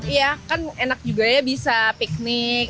iya kan enak juga ya bisa piknik